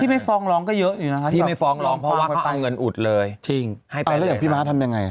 ที่ไม่ฟองร้องก็เยอะเนี่ยนะคะที่ไม่ฟองร้องเพราะว่าเขาเอาเงินอุดเลย